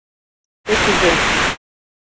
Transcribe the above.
— Тый кузе?